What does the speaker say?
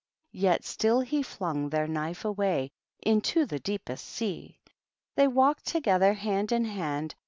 Yet still he jlung their knife away Into the deepest sea. They walked together hand in hand.